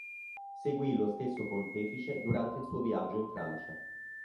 Seguì lo stesso pontefice durante il suo viaggio in Francia.